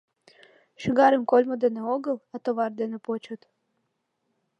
Шӱгарым кольмо дене огыл, а товар дене почыт.